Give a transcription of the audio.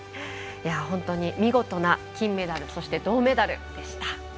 見事な金メダルそして銅メダルでした。